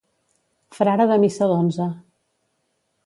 Frare de missa d'onze.